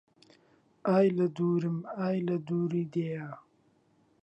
ئای لە دوورم ئای لە دوور دێیا